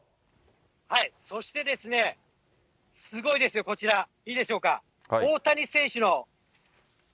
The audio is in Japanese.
そしてですね、すごいですよ、こちら、いいでしょうか？